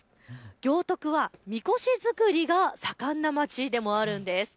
行徳は神輿づくりが盛んな町でもあるんです。